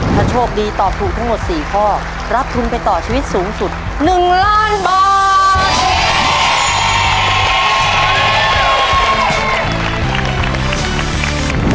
ถ้าโชคดีตอบถูกทั้งหมด๔ข้อรับทุนไปต่อชีวิตสูงสุด๑ล้านบาท